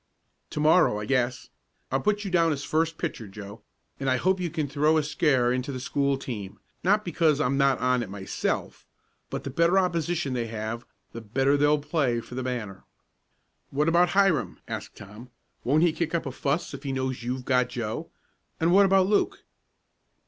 "To morrow, I guess. I'll put you down as first pitcher, Joe, and I hope you can throw a scare into the school team not because I'm not on it myself, but the better opposition they have, the better they'll play for the banner." "What about Hiram?" asked Tom. "Won't he kick up a fuss if he knows you've got Joe? And what about Luke?"